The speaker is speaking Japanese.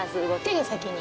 手が先に。